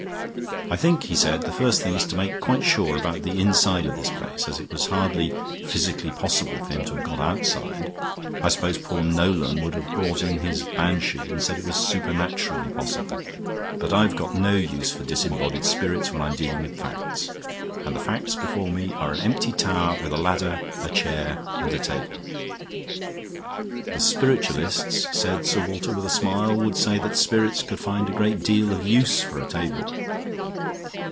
"I think," he said, "the first thing is to make quite sure about the inside of this place, as it was hardly physically possible for him to have got outside. I suppose poor Nolan would have brought in his banshee and said it was supernaturally possible. But I've got no use for disembodied spirits when I'm dealing with facts. And the facts before me are an empty tower with a ladder, a chair, and a table." "The spiritualists," said Sir Walter, with a smile, "would say that spirits could find a great deal of use for a table."